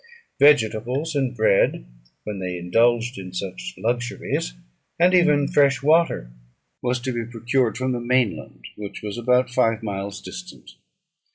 Vegetables and bread, when they indulged in such luxuries, and even fresh water, was to be procured from the main land, which was about five miles distant.